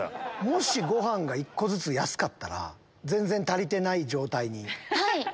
もしご飯が１個ずつ安かったら全然足りてない状態に。